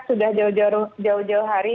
sudah jauh jauh hari